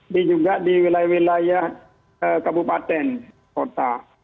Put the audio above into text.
ini juga di wilayah wilayah kabupaten kota